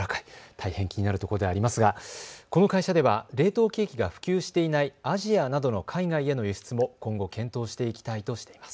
大変気になる所ではありますがこの会社では冷凍ケーキが普及していないアジアなどの海外への輸出も今後、検討していきたいとしています。